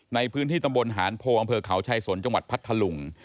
ในพื้นที่ตำบลหานโพอำเภอเขาชายสนจังหวัดพัทธลุง